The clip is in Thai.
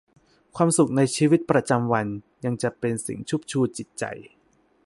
ความสุขในชีวิตประจำวันยังจะเป็นสิ่งชุบชูจิตใจ